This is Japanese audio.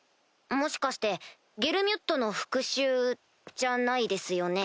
もしかしてゲルミュッドの復讐じゃないですよね？